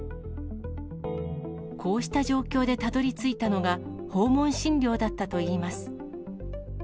こうした状況でたどりついたのが、訪問診療だったといいます。